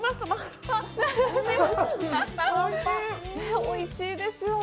おいしいですよね。